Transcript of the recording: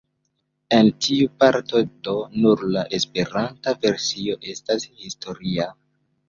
En tiu parto do nur la esperanta versio estas historia.